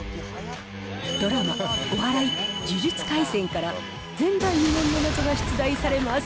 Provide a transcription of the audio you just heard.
ドラマ、お笑い、呪術廻戦から前代未聞の謎が出題されます。